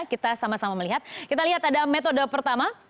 kita sama sama melihat kita lihat ada metode pertama